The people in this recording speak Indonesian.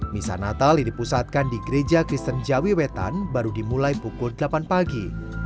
misa natal yang dipusatkan di gereja kristen jawi wetan baru dimulai pukul delapan pagi